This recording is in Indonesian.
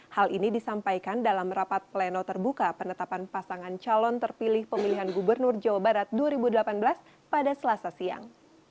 hal ini disampaikan dalam rapat pleno terbuka penetapan pasangan calon terpilih pemilihan gubernur jawa barat dua ribu delapan belas pada selasa siang